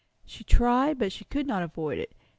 She tried, but she could not avoid it.